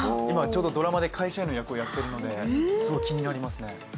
今、ちょうどドラマで会社員の役をやってるので気になりますね。